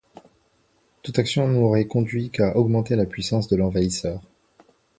Toute action n’aurait conduit qu’à augmenter la puissance de l’envahisseur.